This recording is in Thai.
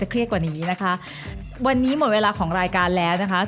คราวนี้หมดเวลาของรายการแล้วนะคะ